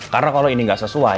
karena kalo ini gak sesuai